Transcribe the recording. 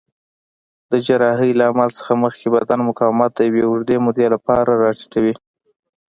د جراحۍ له عمل څخه مخکې بدن مقاومت د یوې اوږدې مودې لپاره راټیټوي.